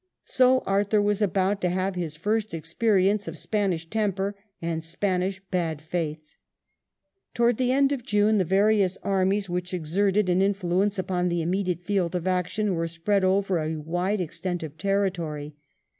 Sir Arthur was about to have his first ex perience of Spanish temper. and Spanish bad faith. Towards the end of June the various armies which exerted an influence upon the immediate field of action were spread over a wide extent of territory.